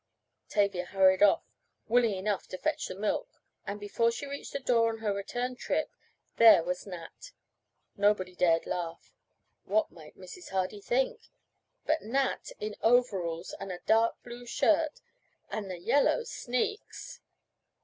Tavia hurried off, willing enough to fetch the milk, and before she reached the door on her return trip there was Nat! Nobody dared to laugh. What might Mrs. Hardy think? But Nat in overalls! And a dark blue shirt! And the yellow sneaks!